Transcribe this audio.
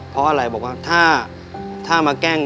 เพราะอะไรบอกว่าถ้ามาแกล้ง